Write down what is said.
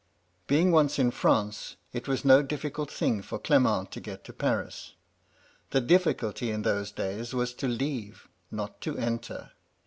" Being once in France, it was no difficult thing for Cflement to get into Paris. The difficulty in those days was to leave, not to enter.